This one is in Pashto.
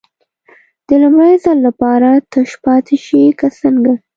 د لومړي ځل لپاره تش پاتې شي که څنګه.